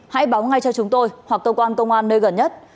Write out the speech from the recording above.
hãy báo ngay cho chúng tôi hoặc cơ quan công an nơi gần nhất